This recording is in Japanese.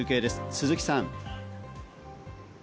鈴木さん。